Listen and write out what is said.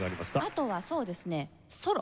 あとはそうですねソロ。